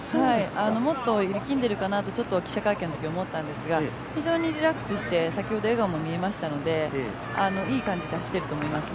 もっと力んでるかなと記者会見の時思ったんですが、非常にリラックスして先ほど笑顔も見えましたのでいい感じで走ってると思いますね。